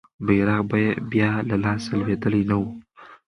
بیرغ به بیا له لاسه لوېدلی نه وو.